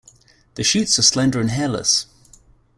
The shoots are slender and hairless.